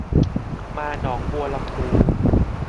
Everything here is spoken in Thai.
มาหนองบัวลำภู